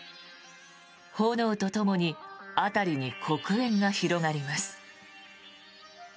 炎とともに辺りに黒煙が広がります。